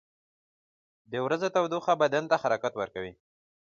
• د ورځې تودوخه بدن ته حرکت ورکوي.